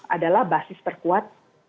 adalah basis terkuat